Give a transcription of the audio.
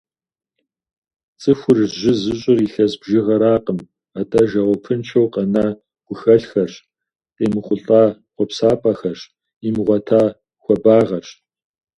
Цӏыхур жьы зыщӏыр илъэс бжыгъэракъым, атӏэ жэуапыншэу къэна и гухэлъхэрщ, къеймыхъулӏа хъуэпсапӏэхэрщ, имыгъуэта хуэбагъэрщ.